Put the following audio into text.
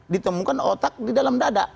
ditemukan otak di dalam dada